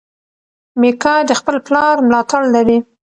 میکا د خپل پلار ملاتړ لري.